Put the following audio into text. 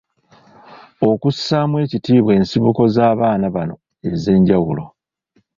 Okussaamu ekitiibwa ensibuko z’abaana bano ez’enjawulo.